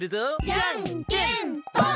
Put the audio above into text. じゃんけんぽん！